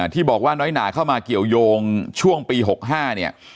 ที่บอกว่าน้อยหนาเข้ามาเกี่ยวยงช่วงปี๖๕เนี่ย